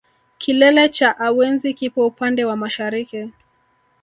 Kilele cha awenzi kipo upande wa mashariki